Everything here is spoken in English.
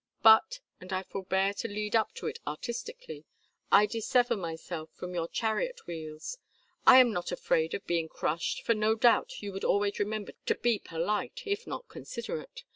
But and I forbear to lead up to it artistically I dissever myself from your chariot wheels. I am not afraid of being crushed, for no doubt you would always remember to be polite, if not considerate.